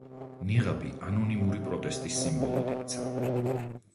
ნიღაბი ანონიმური პროტესტის სიმბოლოდ იქცა.